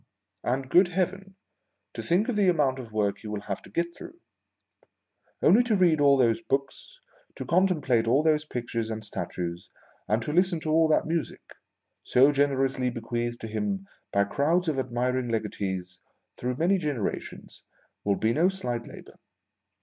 A nd, good Heaven, to think of the amount of work he will have to get through ! Only to read all those books, to contemplate all those pictures and statues, and to listen to all that music, so generously bequeathed to him by crowds of admiring legatees through many generations, will be no slight labor.